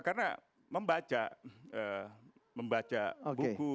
karena membaca buku